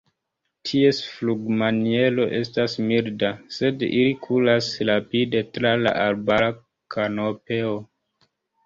Ties flugmaniero estas milda, sed ili kuras rapide tra la arbara kanopeo.